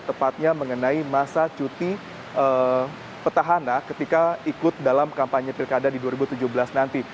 tepatnya mengenai masa cuti petahana ketika ikut dalam kampanye pilkada di dua ribu tujuh belas nanti